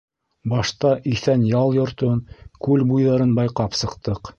Башта Иҫән ял йортон, күл буйҙарын байҡап сыҡтыҡ.